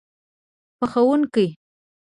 پخوونکی